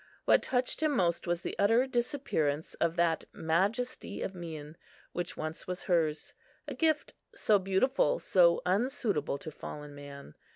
What touched him most was the utter disappearance of that majesty of mien, which once was hers, a gift, so beautiful, so unsuitable to fallen man.